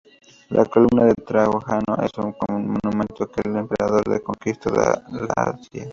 La columna de Trajano es un monumento que al emperador que conquisto la Dacia.